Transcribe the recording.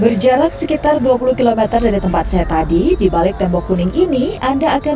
berjarak sekitar dua puluh km dari tempat saya tadi di balik tembok kuning ini anda akan